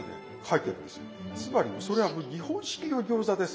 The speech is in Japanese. つまりそれは日本式の餃子です。